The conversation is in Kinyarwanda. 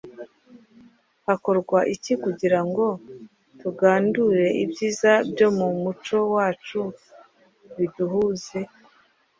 Hakorwa iki kugira ngo tugandure ibyiza byo mu muco wacu biduhuze?